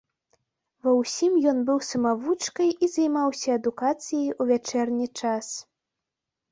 Ва ўсім ён быў самавучкай і займаўся адукацыяй у вячэрні час.